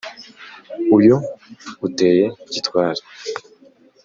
uyu uteye gitwali